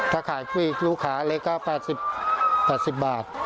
ถ้าขายอีกรูขาเล็กก็๘๐บาท